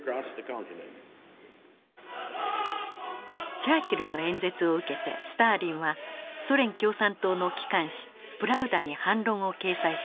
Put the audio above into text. チャーチルの演説を受けてスターリンはソ連共産党の機関紙「プラウダ」に反論を掲載しました。